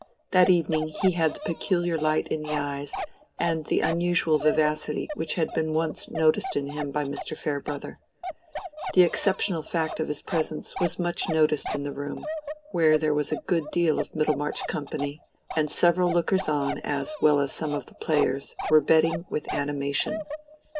That evening he had the peculiar light in the eyes and the unusual vivacity which had been once noticed in him by Mr. Farebrother. The exceptional fact of his presence was much noticed in the room, where there was a good deal of Middlemarch company; and several lookers on, as well as some of the players, were betting with animation.